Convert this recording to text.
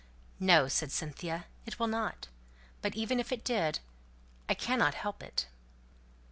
"No!" said Cynthia, "it will not. But even if it did I cannot help it."